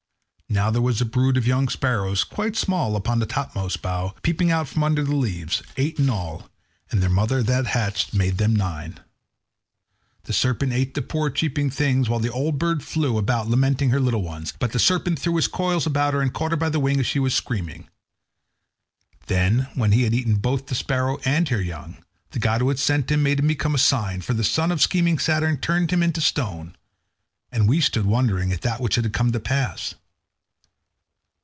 Now there was a brood of young sparrows, quite small, upon the topmost bough, peeping out from under the leaves, eight in all, and their mother that hatched them made nine. The serpent ate the poor cheeping things, while the old bird flew about lamenting her little ones; but the serpent threw his coils about her and caught her by the wing as she was screaming. Then, when he had eaten both the sparrow and her young, the god who had sent him made him become a sign; for the son of scheming Saturn turned him into stone, and we stood there wondering at that which had come to pass.